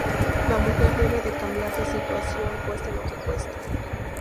La mujer debe de cambiar de situación cueste lo que cueste.